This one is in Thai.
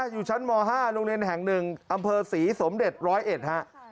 อยู่ชั้นม๕โรงเรียนแห่ง๑อำเภอศรีสมเด็จ๑๐๑ฮะ